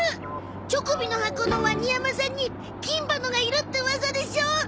チョコビの箱のワニ山さんに金歯のがいるって噂でしょ？